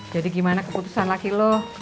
jadi gimana keputusan laki lu